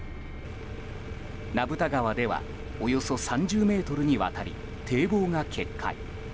名蓋川ではおよそ３０ｍにわたり堤防が決壊。